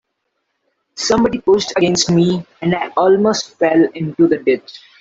Somebody pushed against me, and I almost fell into the ditch.